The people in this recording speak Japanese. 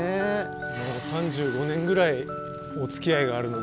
もう３５年ぐらいお付き合いがあるのに。